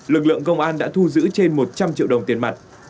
lực lượng công an đã thu giữ trên một trăm linh triệu đồng tiền mặt